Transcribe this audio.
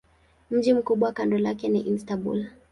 Mji mkubwa kando lake ni Istanbul.